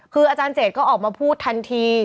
คืออาจารย์เจดก็ออกมาพูดทันที